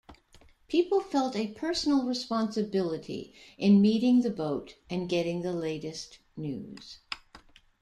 People felt a personal responsibility in meeting the boat and getting the latest news.